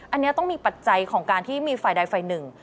อันนี้ต้องมีปัจจัยของการที่มีฝ่ายใดฝ่ายหนึ่ง